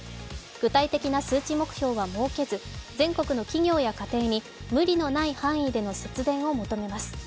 具体的な数値目標は設けず、全国の企業や家庭に無理のない範囲での節電を求めます。